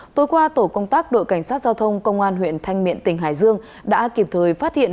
tối qua tổ công tác đội cảnh sát giao thông công an huyện thanh miện tỉnh hải dương đã kịp thời phát hiện